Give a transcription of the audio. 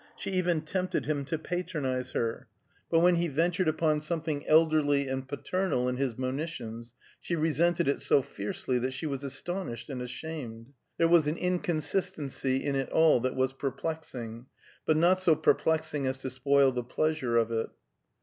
She even tempted him to patronize her, but when he ventured upon something elderly and paternal in his monitions, she resented it so fiercely that she was astonished and ashamed. There was an inconsistency in it all that was perplexing, but not so perplexing as to spoil the pleasure of it.